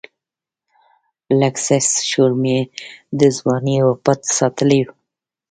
لږڅه شورمي د ځواني وًپټ ساتلی